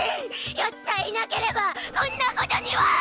ヤツさえいなければこんなことには！